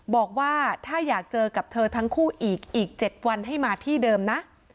บอกว่าถ้าอยากเจอกับเธอทั้งคู่อีกอีก๗วันให้มาที่เดิมนะ